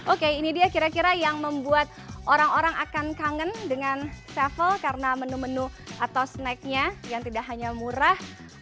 oke ini dia kira kira yang membuat orang orang akan kangen dengan sevel karena menu menu atau snacknya yang tidak hanya murah